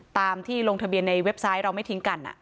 ตามที่ลงทะเบียนในเว็บไซต์เราไม่ทิ้งกัน